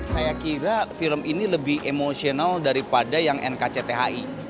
saya kira film ini lebih emosional daripada yang nkcthi